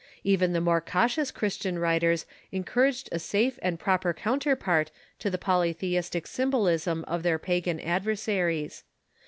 Even the more cautious Christian writers encouraged a safe and proper counterpart to the polytheistic symbolism of their pagan ad versaries.